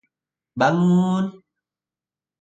Bangun!